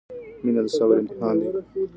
• مینه د صبر امتحان دی.